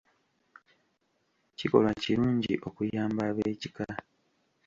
Kikolwa kirungi okuyamba eb'ekika.